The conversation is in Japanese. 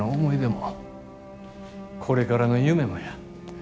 これからの夢もや。